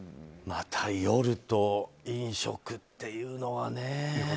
また夜と飲食っていうのはね。